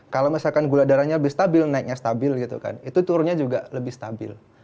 kalau misalkan gula darahnya lebih stabil naiknya stabil gitu kan itu turunnya juga lebih stabil